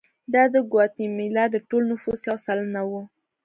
دا د ګواتیمالا د ټول نفوس یو سلنه وو.